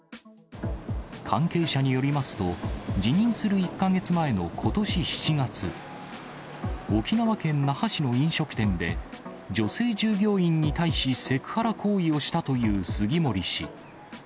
関係者によりますと、辞任する１か月前のことし７月、沖縄県那覇市の飲食店で、女性従業員に対しセクハラ行為をしたという杉森氏。